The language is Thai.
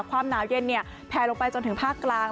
ความหนาวเย็นแพลลงไปจนถึงภาคกลาง